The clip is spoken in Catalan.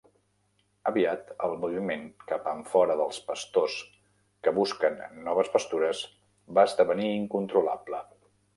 Aviat, el moviment cap enfora dels pastors que busquen noves pastures va esdevenir incontrolable.